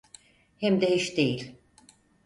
Hem de hiç değil.